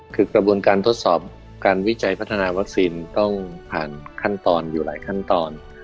คือกระบวนการทดสอบการวิจัยพัฒนาวัคซีนต้องผ่านขั้นตอนอยู่หลายขั้นตอน